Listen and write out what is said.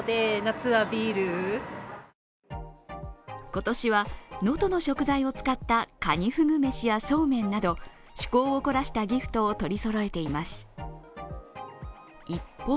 今年は能登の食材を使った、かにふぐ飯やそうめんなど、趣向を凝らしたギフトを取りそろえています。